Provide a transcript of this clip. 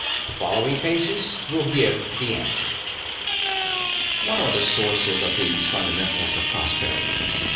The following pages will give the answer. What are the sources of these fundamentals of prosperity?